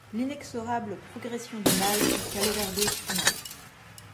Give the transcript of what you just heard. l’inexorable progression du mal jusqu’à l’overdose finale.